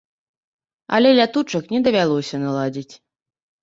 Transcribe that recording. Але лятучак не давялося наладзіць.